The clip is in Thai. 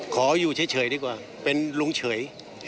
ขออยู่เฉยดีกว่าเป็นลุงเฉย